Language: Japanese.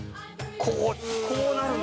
こうなるの？